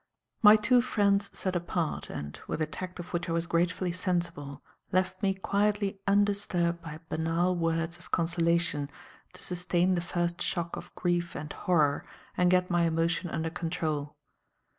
My two friends sat apart and, with a tact of which I was gratefully sensible, left me quietly undisturbed by banal words of consolation, to sustain the first shock of grief and horror and get my emotion under control.